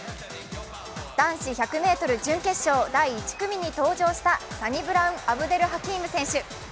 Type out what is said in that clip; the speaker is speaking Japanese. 男子１００ｍ準決勝第１組に登場したサニブラウン・アブデル・ハキーム選手。